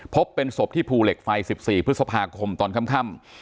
พบเป็นศพที่ภูเหล็กไฟ๑๔พฤษภาคมตอนค่ำ